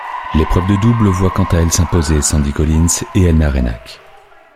L'épreuve de double voit quant à elle s'imposer Sandy Collins et Elna Reinach.